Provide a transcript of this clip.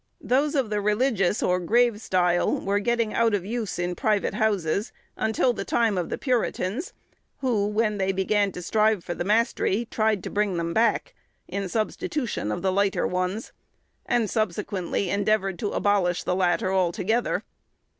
Those of the religious or grave style were getting out of use in private houses, until the time of the puritans, who, when they began to strive for the mastery, tried to bring them back, in substitution of the lighter ones, and subsequently endeavoured to abolish the latter altogether.